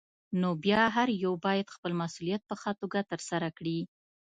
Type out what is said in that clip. بيا نو هر يو بايد خپل مسؤليت په ښه توګه ترسره کړي.